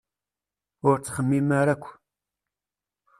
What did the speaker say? Ur ttxemmim ara akk.